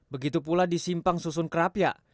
begitu pula di simpang susun kerapia